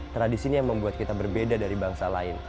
tradisi ini yang membuat kita berbeda dari bangsa lain